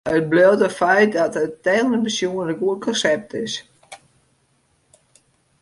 Mar it bliuwt in feit dat it technysk besjoen in goed konsept is.